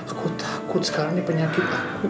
aku takut sekarang ini penyakit aku